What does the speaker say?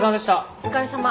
お疲れさま。